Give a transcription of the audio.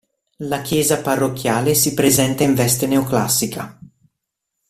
La chiesa parrocchiale si presenta in veste neoclassica.